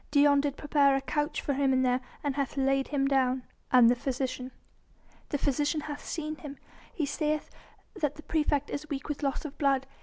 Dion did prepare a couch for him there, and hath laid him down." "And the physician?" "The physician hath seen him. He saith that the praefect is weak with loss of blood.